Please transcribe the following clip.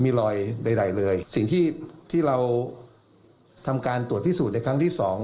มีรอยใดเลยสิ่งที่ที่เราทำการตรวจพิสูจน์ในครั้งที่สอง